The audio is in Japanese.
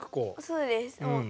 そうです。